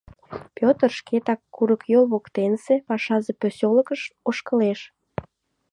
Пӧтыр шкетак курыкйол воктенсе пашазе посёлкыш ошкылеш.